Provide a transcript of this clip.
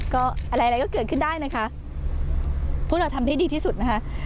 ก็อะไรก็เกิดขึ้นได้นะคะพวกเราทำได้ดีที่สุดนะคะ